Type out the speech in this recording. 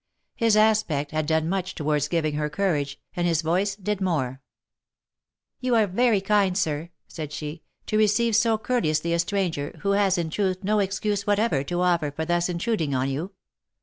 His aspect had done much towards giving her courage, and his voice did more. " You are very kind sir," said she, " to receive so courteously a stranger, who has in truth no excuse whatever to offer for thus intrud ing on you.